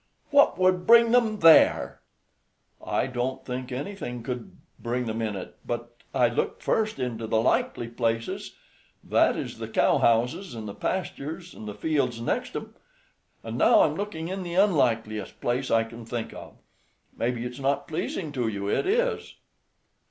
"What would bring them there?" "I don't think anything could bring them in it; but I looked first into the likely places, that is the cowhouses, and the pastures, and the fields next 'em, and now I'm looking in the unlikeliest place I can think of. Maybe it's not pleasing to you it is."